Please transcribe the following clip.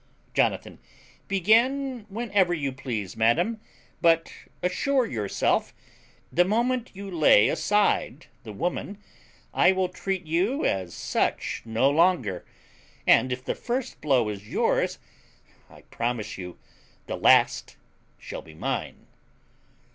Jonathan. Begin whenever you please, madam; but assure yourself, the moment you lay aside the woman, I will treat you as such no longer; and if the first blow is yours, I promise you the last shall be mine.